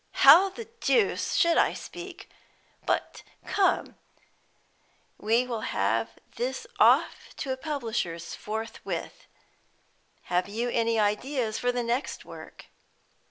How the deuce should I speak? But come, we will have this off to a publisher's forthwith. Have you any ideas for the next work?"